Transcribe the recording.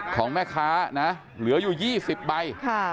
ของแม่ค้านะเหลืออยู่๒๐ใบ